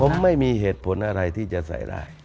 ผมไม่มีเหตุผลอะไรที่จะใส่ได้